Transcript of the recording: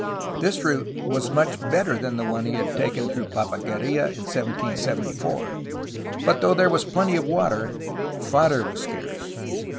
This route was much better than the one he had taken through Papaguerla in 1774, but, though there was plenty of water, fodder was scarce.